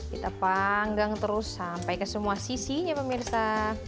kita panggang terus sampai ke semua sisinya pemirsa